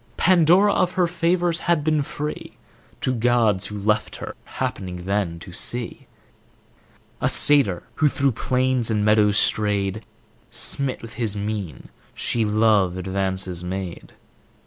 Pandora of her favors had been free To gods who left her; happening then to see A satyr who through plains and meadows strayed, Smit with his mien, she love advances made.